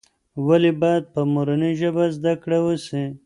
ولې باید په مورنۍ ژبه زده کړه وسي؟